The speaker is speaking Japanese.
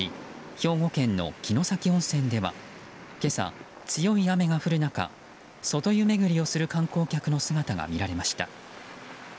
兵庫県の城崎温泉では今朝、強い雨が降る中外湯巡りをする観光客の姿が見られました。